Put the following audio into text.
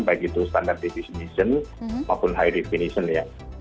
baik itu standard definition maupun high definition ya